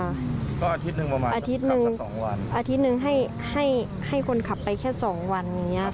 อาทิตย์มึงให้คนขับไปแค่๒วัน